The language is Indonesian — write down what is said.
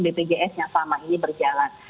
bpjs yang selama ini berjalan